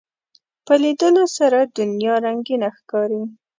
په لیدلو سره دنیا رنگینه ښکاري